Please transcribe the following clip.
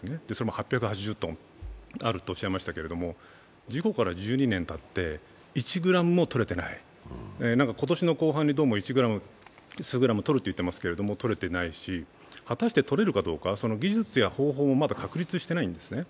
８８０ｔあるとおっしゃいましたが、事故から１２年たって１ｇも取れていない、今年の後半にどうも数グラムを取ると言っていますが取れていないし、果たしてとれるかどうか、技術や方法もまだ確立していないんですね。